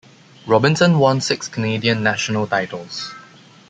Robinson won six Canadian national titles.